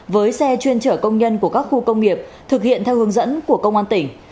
với xe chuyên chở công nhân của các khu công nghiệp thực hiện theo hướng dẫn của công an tỉnh